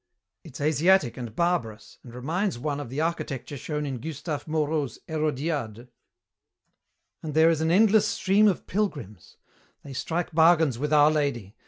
It's Asiatic and barbarous, and reminds one of the architecture shown in Gustave Moreau's Hérodiade. "And there is an endless stream of pilgrims. They strike bargains with Our Lady.